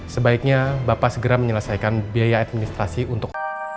sebaiknya bapak segera menyelesaikan biaya administrasi untuk